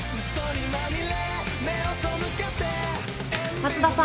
松田さん